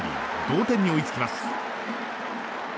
同点に追いつきます。